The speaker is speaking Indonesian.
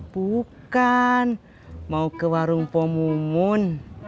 bukan mau ke warung pomungun